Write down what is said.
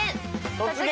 「突撃！